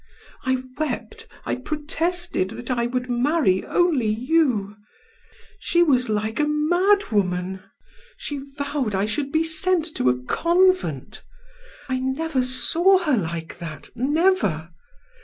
I wept, I protested that I would marry only you; she was like a mad woman; she vowed I should be sent to a convent. I never saw her like that, never.